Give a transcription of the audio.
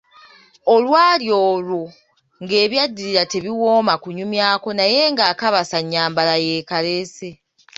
Olwali olwo nga Ebyaddirira tebiwooma kunyumyako, naye ng‘akabasa nnyambala yeekaleese.